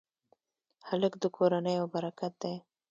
هلک د کورنۍ یو برکت دی.